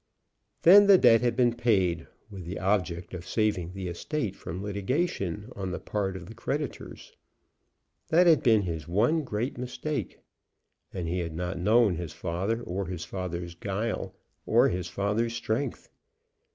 Then the debt had been paid with the object of saving the estate from litigation on the part of the creditors. That had been his one great mistake. And he had not known his father, or his father's guile, or his father's strength.